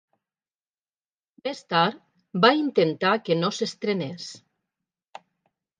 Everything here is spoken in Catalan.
Més tard van intentar que no s'estrenés.